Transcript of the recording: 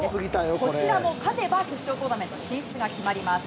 こちらも勝てば決勝トーナメント進出が決まります。